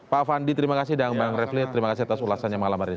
pak fandi terima kasih dan bang refli terima kasih atas ulasannya malam hari ini